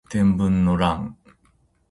天文の乱